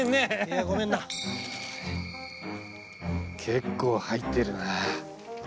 結構入ってるな。